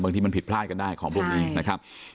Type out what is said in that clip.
บางทีมันผิดพลาดกันได้ของพวกนี้นะครับ